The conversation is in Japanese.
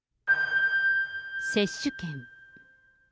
接種券。